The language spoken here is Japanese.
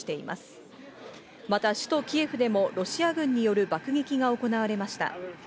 また首都キエフでもロシア軍による爆撃が行われました。